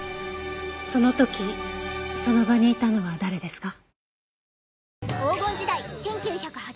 その時その場にいたのは誰ですか？